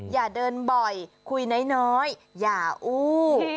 อย่าเดินบ่อยคุยน้อยอย่าอู้